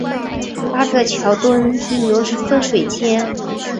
八个桥墩均有分水尖。